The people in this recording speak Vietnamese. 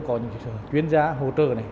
chúng tôi có những chuyên gia hỗ trợ này